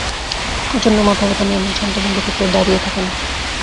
প্রচণ্ড মাথাব্যথা নিয়ে এমন শান্ত ভঙ্গিতে কেউ দাঁড়িয়ে থাকে না।